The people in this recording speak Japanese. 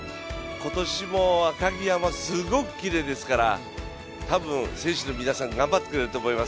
今年も赤城山、すごくきれいですからたぶん選手の皆さん、頑張ってくれると思います。